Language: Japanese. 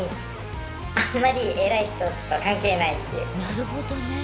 なるほどね。